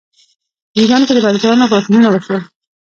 په ایران کې د بزګرانو پاڅونونه وشول.